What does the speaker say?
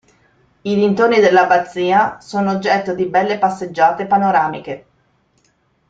I dintorni dell'abbazia sono oggetto di belle passeggiate panoramiche.